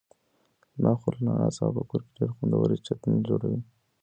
زما خور له نعناع څخه په کور کې ډېر خوندور چتني جوړوي.